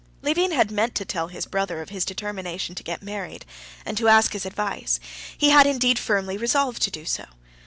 Levin had meant to tell his brother of his determination to get married, and to ask his advice; he had indeed firmly resolved to do so.